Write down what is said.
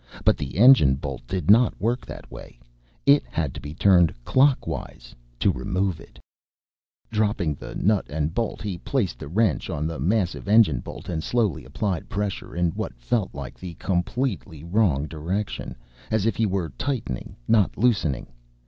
But the engine bolt did not work that way it had to be turned clockwise to remove it. Dropping the nut and bolt he placed the wrench on the massive engine bolt and slowly applied pressure in what felt like the completely wrong direction, as if he were tightening not loosening.